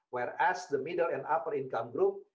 mereka akan melakukan dengan baik